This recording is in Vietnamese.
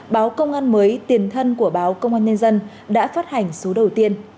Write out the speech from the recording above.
báo công an mới tiền thân của báo công an nhân dân đã phát hành số đầu tiên